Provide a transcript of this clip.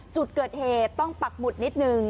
จุดเกิดเหตุต้องปักหมุดนิดนึง